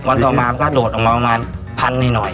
ต่อมามันก็โดดออกมาประมาณพันหน่อย